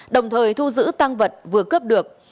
đồng thời thu giữ tăng vật vừa cướp được